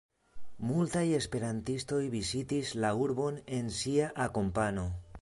Multaj esperantistoj vizitis la urbon en ŝia akompano.